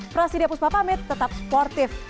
prasidya puspa pamit tetap sportif